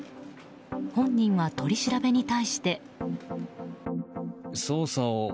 本人は取り調べに対して。